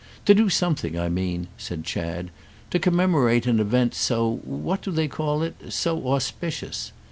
To do something, I mean," said Chad, "to commemorate an event so—what do they call it?—so auspicious.